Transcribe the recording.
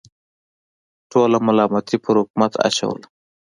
ټوله ملامتي پر حکومت اچوله.